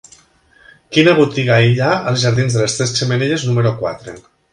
Quina botiga hi ha als jardins de les Tres Xemeneies número quatre?